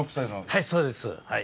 はいそうですはい。